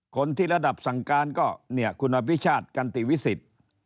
คนที่ระดับสังการก็คุณพิชาติกันติวิสิต